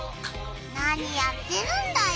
何やってるんだよ